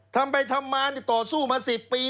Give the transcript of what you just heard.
ทำไปทำมาต่อสู้มา๑๐ปี